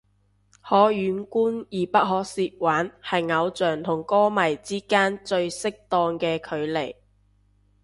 可遠觀而不可褻玩係偶像同歌迷之間最適當嘅距離